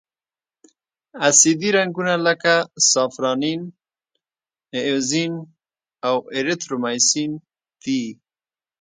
اسیدي رنګونه لکه سافرانین، ائوزین او ایریترومایسین دي.